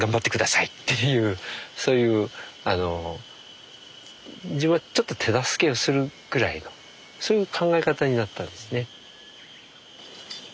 そういうあの自分はちょっと手助けをするぐらいのそういう考え方になったんですね。